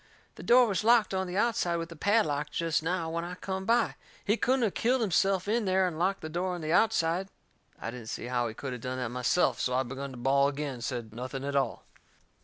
"The door was locked on the outside with a padlock jest now when I come by. He couldn't of killed himself in there and locked the door on the outside." I didn't see how he could of done that myself, so I begun to bawl agin and said nothing at all.